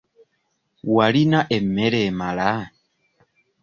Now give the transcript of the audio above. Walina emmere emala?